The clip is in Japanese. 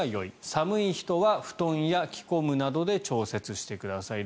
寒い人は布団や着込むなどで調節してください。